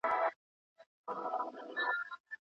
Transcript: ستا به په کوڅه کي زما د حق ناره تر غوږ نه سي